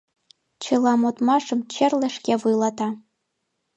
Чыла модмашым черле шке вуйлата.